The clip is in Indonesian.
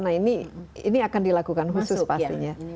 nah ini akan dilakukan khusus pastinya